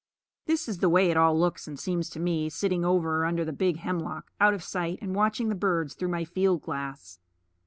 This is the way it all looks and seems to me, sitting over under the big hemlock, out of sight, and watching the birds through my field glass.